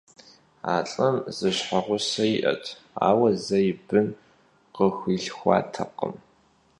A lh'ım zı şheğuse yi'et, aue zei bın khıxuilhxuatekhım.